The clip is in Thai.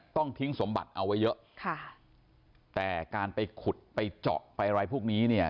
ต้องทิ้งสมบัติเอาไว้เยอะค่ะแต่การไปขุดไปเจาะไปอะไรพวกนี้เนี่ย